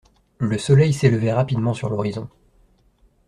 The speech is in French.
Le soleil s'élevait rapidement sur l'horizon.